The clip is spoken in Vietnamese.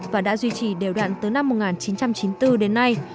và đã duy trì đều đoạn tới năm một nghìn chín trăm chín mươi bốn đến nay